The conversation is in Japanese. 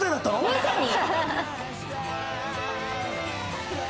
まさに！